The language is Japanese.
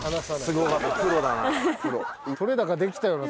すごかったな。